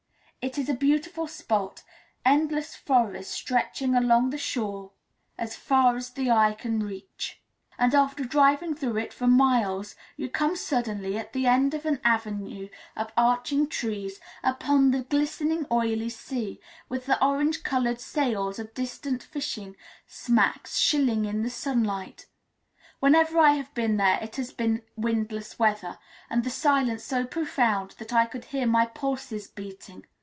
It is a beautiful spot, endless forest stretching along the shore as far as the eye can reach; and after driving through it for miles you come suddenly, at the end of an avenue of arching trees, upon the glistening, oily sea, with the orange coloured sails of distant fishing smacks shilling in the sunlight. Whenever I have been there it has been windless weather, and the silence so profound that I could hear my pulses beating.